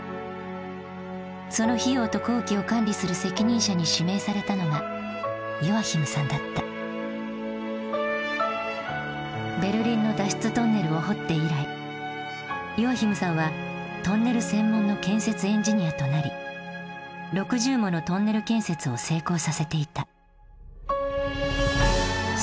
その費用と工期を管理する責任者に指名されたのがベルリンの脱出トンネルを掘って以来ヨアヒムさんはトンネル専門の建設エンジニアとなり６０ものトンネル建設を成功させていた。